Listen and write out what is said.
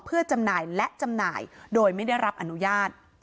เพื่อจำหน่ายและจำหน่ายโดยไม่ได้รับอนุญาต